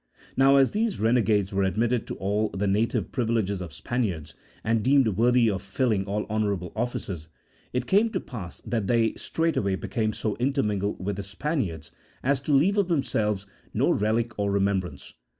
Now, as these renegades were admitted to all the native privileges of Spaniards, and deemed worthy of filling all honourable offices, it came to pass that they straightway became so intermingled with the Spaniards as to leave of themselves no relic or remembrance.